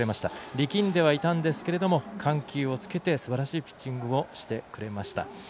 力んではいたんですけども緩急をつけてすばらしいピッチングをしてくれました。